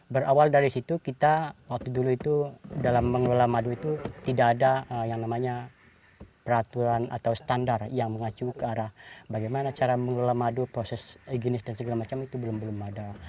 berawal dari situ kita waktu dulu itu dalam mengelola madu itu tidak ada yang namanya peraturan atau standar yang mengacu ke arah bagaimana cara mengelola madu proses higienis dan segala macam itu belum belum ada